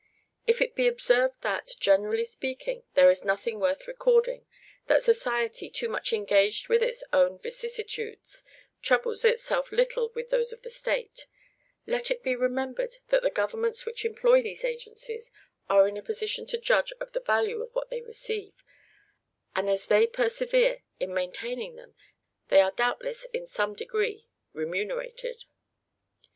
If it be observed that, generally speaking, there is nothing worth recording; that society, too much engaged with its own vicissitudes, troubles itself little with those of the state, let it be remembered that the governments which employ these agencies are in a position to judge of the value of what they receive; and as they persevere in maintaining them, they are, doubtless, in some degree, remunerated.